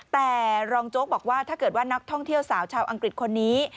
แต่รองโจ๊กบอกว่าถ้าเกิดว่านักท่องเที่ยวสาวชาวอังกฤษคนนี้